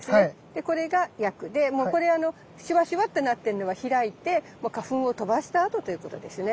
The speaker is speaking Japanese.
でこれがやくでもうこれシワシワってなってんのが開いてもう花粉を飛ばしたあとということですね。